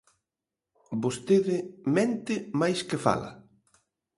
Vostede mente máis que fala.